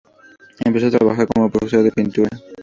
Empezó a trabajar como profesor de pintura.